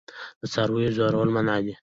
د څارویو ځورول منع دي.